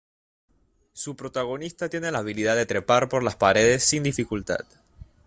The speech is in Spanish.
Su protagonista tiene la habilidad de trepar por las paredes sin dificultad.